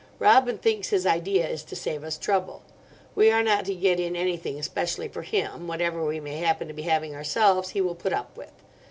Robin thinks his idea is to save us trouble. We are not to get in anything especially for him—whatever we may happen to be having ourselves he will put up with.